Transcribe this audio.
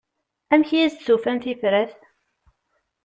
Amek i as-d-tufam tifrat?